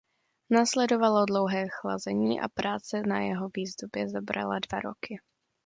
Následovalo dlouhé chlazení a práce na jeho výzdobě zabrala dva roky.